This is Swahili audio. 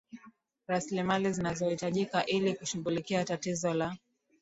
raslimali zinazohitajika ili kushughulikia tatizo la